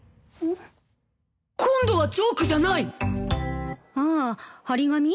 今度はジョークじゃない！ああ貼り紙？